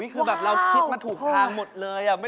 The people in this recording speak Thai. คุณคิดมาถูกทางหมดเลยอ่ะ